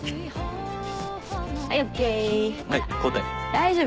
大丈夫。